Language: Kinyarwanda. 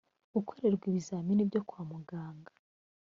gukorerwa ibizami byo kwa muganga